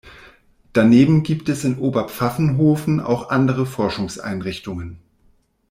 Daneben gibt es in Oberpfaffenhofen auch andere Forschungseinrichtungen.